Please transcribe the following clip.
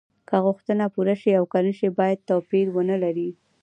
که غوښتنه پوره شي او که نشي باید توپیر ونلري.